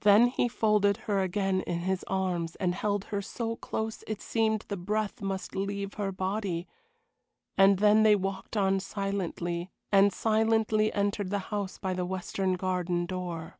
Then he folded her again in his arms and held her so close it seemed the breath must leave her body, and then they walked on silently, and silently entered the house by the western garden door.